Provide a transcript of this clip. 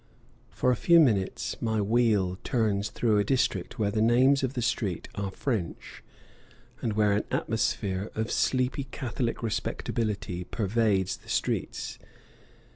For a few minutes my wheel turns through a district where the names of the streets are French, and where an atmosphere of sleepy Catholic respectability pervades the streets.